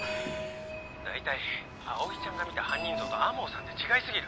「大体葵ちゃんが見た犯人像と天羽さんじゃ違いすぎる」